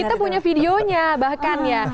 kita punya videonya bahkan ya